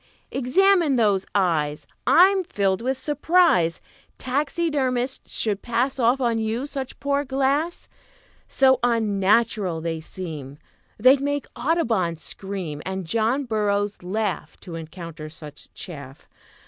"Examine those eyes. I'm filled with surprise Taxidermists should pass Off on you such poor glass; So unnatural they seem They'd make Audubon scream, And John Burroughs laugh To encounter such chaff.